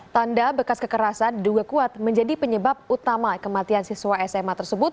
tanda bekas kekerasan diduga kuat menjadi penyebab utama kematian siswa sma tersebut